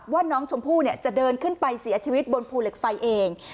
ว่าน้องชมพู่จะเดินขึ้นไปเสียชีวิตบนภูเหล็กไฟเอง